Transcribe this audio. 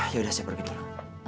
ya udah saya pergi dulu